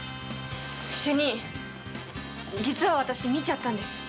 主任実は私、見ちゃったんです。